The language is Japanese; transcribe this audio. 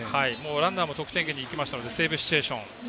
ランナーも得点圏にいきましたのでセーブシチュエーション。